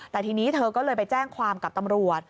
แต่ทีนี้เธอก็เลยไปแจ้งความกับตำรวจ